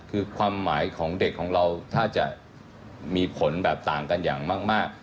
คือความหมายของเด็กของเราถ้าจะมีผลแบบต่างกันอย่างมาก